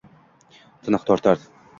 tiniq tortar